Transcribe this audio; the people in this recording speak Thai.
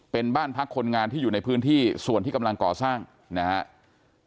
เป็นบ้านพักคนงานที่อยู่ในพื้นที่ส่วนที่กำลังก่อสร้างนะครับ